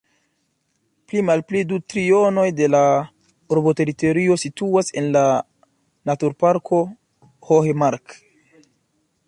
Plimalpli du trionoj de la urboteritorio situas en la "Naturparko Hohe Mark".